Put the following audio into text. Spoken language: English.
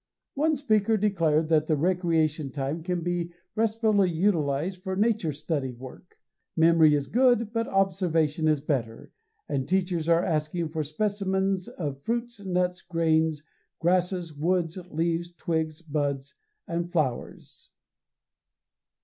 One speaker declared that the recreation time can be restfully utilized for nature study work. Memory is good but observation is better, and teachers are asking for specimens of fruits, nuts, grains, grasses, woods, leaves, twigs, buds, and flowers.